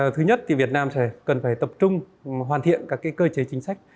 thứ nhất thì việt nam sẽ cần phải tập trung hoàn thiện các cơ chế chính sách